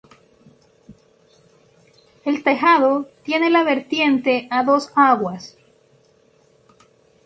El tejado tiene la vertiente a dos aguas.